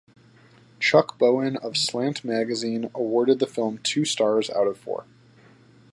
Chuck Bowen of "Slant Magazine" awarded the film two stars out of four.